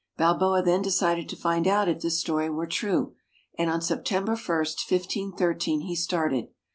Balboa then decided to find out if this story were true, and on September I, 15 13, he started.